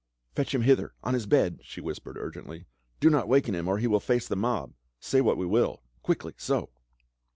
" Fetch him hither — on his bed," she whispered urgently :" do not waken him or he will face the mob — say what we will. Quickly, so